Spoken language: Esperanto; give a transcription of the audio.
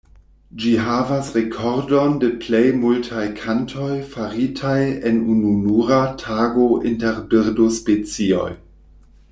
Ĝi havas rekordon de plej multaj kantoj faritaj en ununura tago inter birdospecioj.